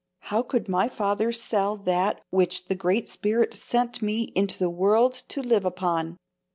How could my father sell that which the Great Spirit sent me into the world to live upon?